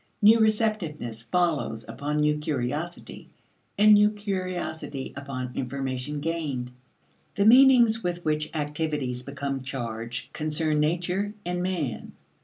New receptiveness follows upon new curiosity, and new curiosity upon information gained. The meanings with which activities become charged, concern nature and man.